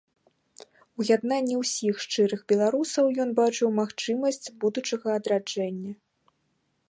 У яднанні ўсіх шчырых беларусаў ён бачыў магчымасць будучага адраджэння.